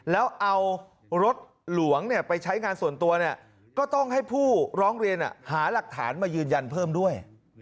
แล้วเอารถหลวงไปใช้งานส่วนตัวก็ต้องให้ผู้ร้องเรียนหาหลักฐานมายืนยันเพิ่มด้วย